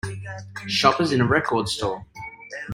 Shoppers in a record store.